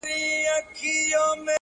د کیسې ماشوم